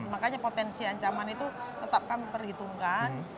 makanya potensi ancaman itu tetap kami perhitungkan